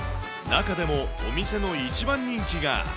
中でも、お店の一番人気が。